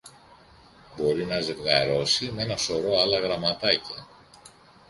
Μπορεί να ζευγαρώσει με ένα σωρό άλλα γραμματάκια